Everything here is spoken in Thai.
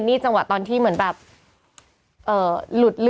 นี่จังหวะตอนที่เหมือนแบบหลุด